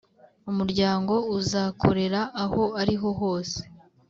Umuryango uzakorera aho ari ho hose